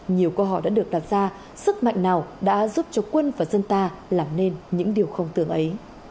nhiều câu hỏi đã được đặt ra sức mạnh nào đã giúp cho quân và dân ta làm nên những điều không tưởng ấy